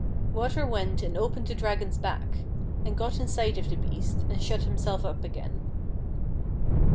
117 Water went and opened the Dragon's back, and got inside of the beast, and shut himself up again.